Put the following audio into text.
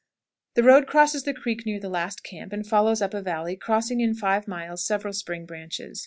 The road crosses the creek near the last camp, and follows up a valley, crossing in five miles several spring branches.